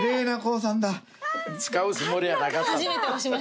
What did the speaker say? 使うつもりはなかった。